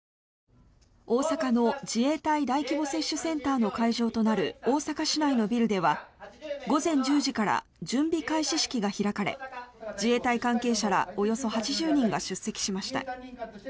大阪の自衛隊大規模接種センターの会場となる大阪市内のビルでは午前１０時から準備開始式が開かれ自衛隊関係者らおよそ８０人が出席しました。